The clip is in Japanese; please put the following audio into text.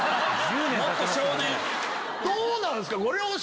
どうなんすか？